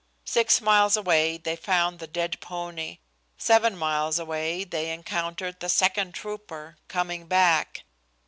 Six miles away they found the dead pony. Seven miles away they encountered the second trooper, coming back.